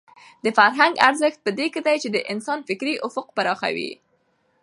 د فرهنګ ارزښت په دې کې دی چې دا د انسان فکري افق پراخوي.